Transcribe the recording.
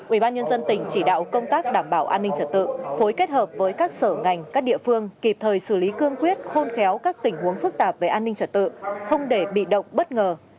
ubnd tỉnh chỉ đạo công tác đảm bảo an ninh trật tự phối kết hợp với các sở ngành các địa phương kịp thời xử lý cương quyết khôn khéo các tình huống phức tạp về an ninh trật tự không để bị động bất ngờ